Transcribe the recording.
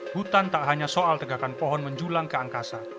hutan tak hanya soal tegakan pohon menjulang ke angkasa